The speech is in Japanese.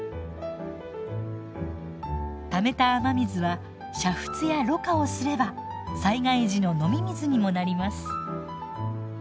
ためた雨水は煮沸やろ過をすれば災害時の飲み水にもなります。